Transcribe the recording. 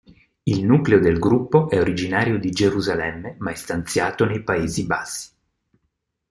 Il nucleo del gruppo è originario di Gerusalemme ma è stanziato nei Paesi Bassi.